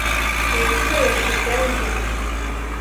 Ibi bikoresho byangiritse.